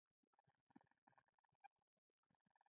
په لسو کالو کې یې کالمونه نه دي هېر کړي.